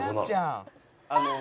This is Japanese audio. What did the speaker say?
あの。